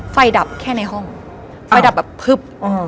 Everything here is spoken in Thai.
ดับแค่ในห้องไฟดับแบบพึบ